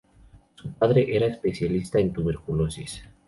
Su padre era especialista en tuberculosis.